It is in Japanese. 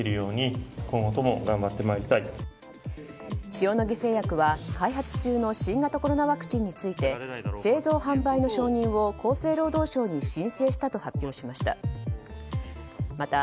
塩野義製薬は、開発中の新型コロナワクチンについて製造・販売の承認を厚生労働省に申請したと発表しました。